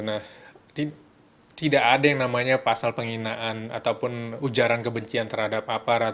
nah tidak ada yang namanya pasal penghinaan ataupun ujaran kebencian terhadap aparat